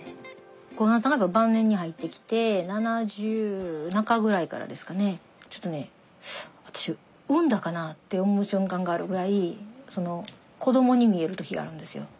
小雁さんが晩年に入ってきて７０中ぐらいからですかねちょっとね私産んだかなって思う瞬間があるぐらい子どもに見える時があるんですよ。